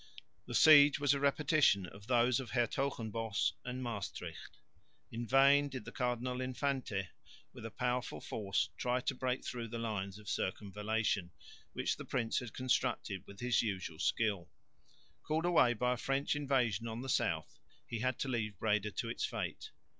The siege was a repetition of those of Hertogenbosch and Maestricht. In vain did the Cardinal Infante with a powerful force try to break through the lines of circumvallation, which the prince had constructed with his usual skill. Called away by a French invasion on the south, he had to leave Breda to its fate.